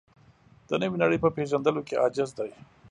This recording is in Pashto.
د نوې نړۍ په پېژندلو کې عاجز دی.